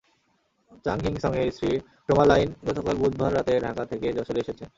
চাং Hing সংয়ের স্ত্রী trauma line গতকাল বুধবার রাতে ঢাকা থেকে যশোরে এসেছেন।